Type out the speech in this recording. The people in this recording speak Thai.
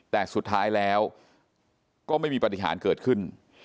แต่สุดท้ายแล้วก็ไม่มีปฏิหารเกิดขึ้น